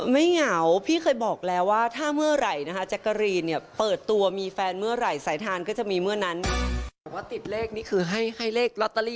นี่คือให้เลขลอตเตอรี่หรือยังไง